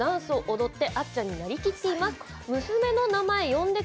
ＡＫＢのダンスを踊ってあっちゃんになりきっています。